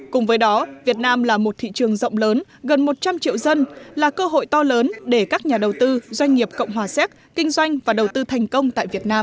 cùng với đó việt nam là một thị trường rộng lớn gần một trăm linh triệu dân là cơ hội to lớn để các nhà đầu tư doanh nghiệp cộng hòa séc kinh doanh và đầu tư thành công tại việt nam